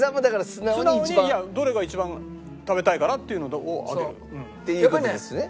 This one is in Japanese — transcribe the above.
素直にどれが一番食べたいかなっていうのを上げる。っていう事ですね。